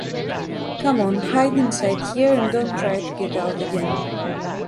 Come on, hide inside here and don’t try to get out again.